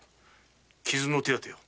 傷の手当てを。